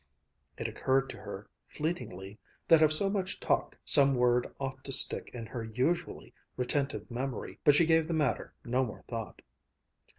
It occurred to her, fleetingly, that of so much talk, some word ought to stick in her usually retentive memory; but she gave the matter no more thought.